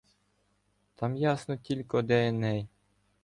Там ясно тілько, де Еней.